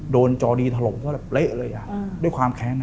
โดนจอดีถลบเขาแบบเละเลยอ่ะด้วยความแค้น